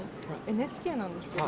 ＮＨＫなんですけど。